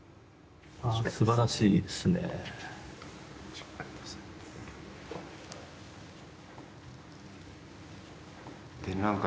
あすばらしいですね。